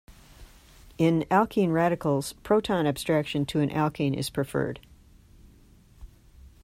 In alkene radicals proton abstraction to an alkyne is preferred.